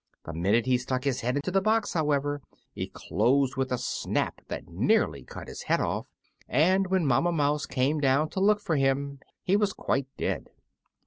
The minute he stuck his head into the box, however, it closed with a snap that nearly cut his head off, and when Mamma Mouse came down to look for him he was quite dead.